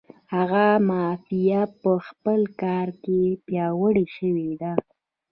هغه مافیا په خپل کار کې پیاوړې شوې ده.